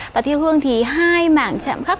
tòa thiêu hương thì hai mảng chạm khắc